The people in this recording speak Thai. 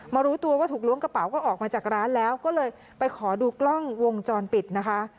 รู้ตัวว่าถูกล้วงกระเป๋าก็ออกมาจากร้านแล้วก็เลยไปขอดูกล้องวงจรปิดนะคะ